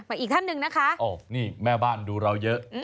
อีกท่านหนึ่งนะคะโอ้นี่แม่บ้านดูเราเยอะ